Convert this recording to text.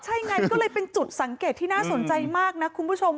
ใช่ไงก็เลยเป็นจุดสังเกตที่น่าสนใจมากนะคุณผู้ชม